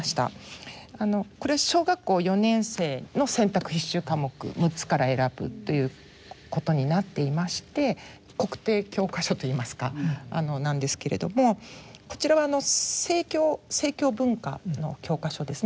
これは小学校４年生の選択必修科目６つから選ぶということになっていまして国定教科書といいますかなんですけれどもこちらは正教正教文化の教科書ですね。